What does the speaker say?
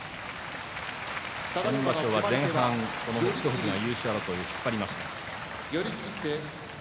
先場所は前半、北勝富士が優勝争いを引っ張りました。